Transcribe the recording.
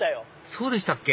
そうでしたっけ